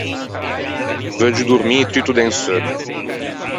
Veuggio dormî tutto de un seunno.